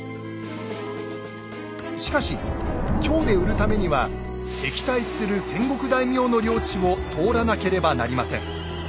しかし京で売るためには敵対する戦国大名の領地を通らなければなりません。